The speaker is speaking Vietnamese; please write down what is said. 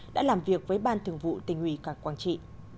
đã làm việc với ban thường vụ tình hủy cảng quang trị